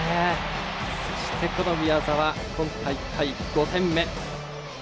そして宮澤、今大会５点目。